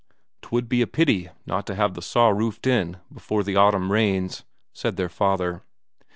"'Twould be a pity not to have the saw roofed in before the autumn rains," said their father.